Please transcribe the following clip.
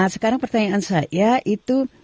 sekarang pertanyaan saya itu